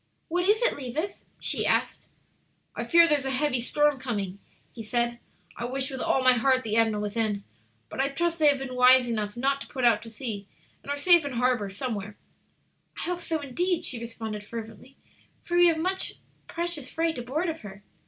"What is it, Levis?" she asked. "I fear there is a heavy storm coming," he said. "I wish with all my heart the Edna was in. But I trust they have been wise enough not to put out to sea and are safe in harbor some where." "I hope so, indeed," she responded, fervently, "for we have much precious freight aboard of her.